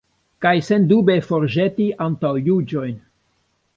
Kaj sendube forjeti antaŭjuĝojn.